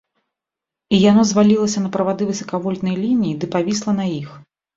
І яно звалілася на правады высакавольтнай лініі ды павісла на іх.